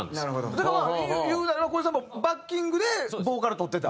だからいうなれば小出さんもバッキングでボーカルとってた？